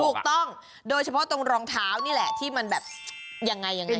ถูกต้องโดยเฉพาะตรงรองเท้านี่แหละที่มันแบบยังไงยังไง